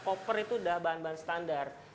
koper itu sudah bahan bahan standar